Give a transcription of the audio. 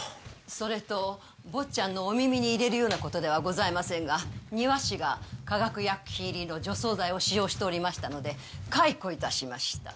それと坊ちゃんのお耳に入れるような事ではございませんが庭師が化学薬品入りの除草剤を使用しておりましたので解雇致しました。